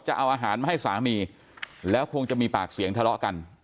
จะเอาอาหารมาให้สามีแล้วคงจะมีปากเสียงทะเลาะกัน